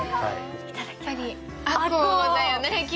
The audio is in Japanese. やっぱり、アコウだよね。